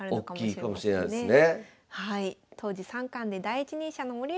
大きいかもしれないですね。